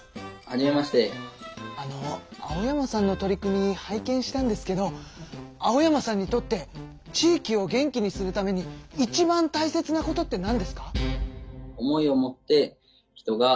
あの青山さんの取り組み拝見したんですけど青山さんにとって地域を元気にするためにいちばんたいせつなことってなんですか？